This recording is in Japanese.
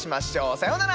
さようなら！